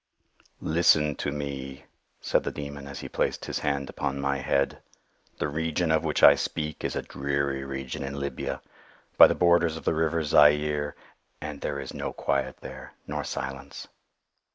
"Listen to me," said the Demon as he placed his hand upon my head. "The region of which I speak is a dreary region in Libya, by the borders of the river Zaire. And there is no quiet there, nor silence.